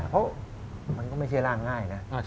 เพราะมันก็ไม่ใช่ร่างง่ายนะ